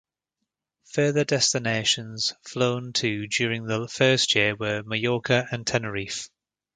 Further destinations flown to during the first year were Majorca and Tenerife.